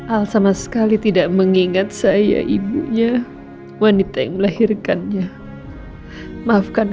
atau dan manfaatkan hubungan nyala dalam renang